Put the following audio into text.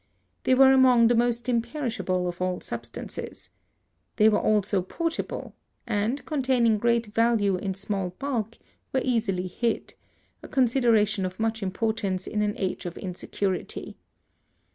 They were among the most imperishable of all substances. They were also portable, and, containing great value in small bulk, were easily hid; a consideration of much importance in an age of insecurity.